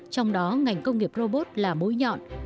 trong đó ngành công nghiệp robot là mũi nhọn